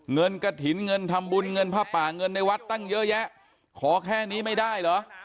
เงินกระถิ่นเงินทำบุญเงินผ้าป่าเงินในวัดตั้งเยอะแยะขอแค่นี้ไม่ได้เหรอ